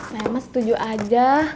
saya emang setuju aja